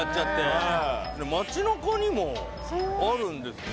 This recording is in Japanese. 町なかにもあるんですね。